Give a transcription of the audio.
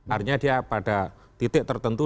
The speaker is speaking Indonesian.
artinya dia pada titik tertentu